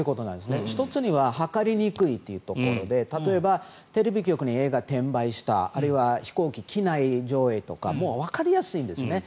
１つには測りにくいというところで例えばテレビ局に映画を転売したあるいは飛行機、機内上映とかわかりやすいんですね。